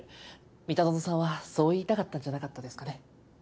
三田園さんはそう言いたかったんじゃなかったんですかね。